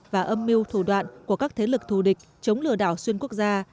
và âm mưu thủ đoạn của các thế lực thù địch chống lừa đảo xuyên quốc gia